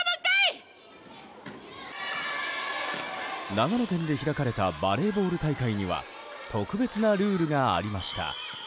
長野県で開かれたバレーボール大会には特別なルールがありました。